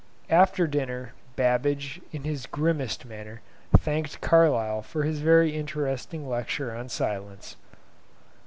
After dinner Babbage, in his grimmest manner, thanked Carlyle for his very interesting lecture on silence.